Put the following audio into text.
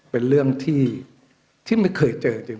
เป็นเรื่องที่ไม่เคยเจอจริง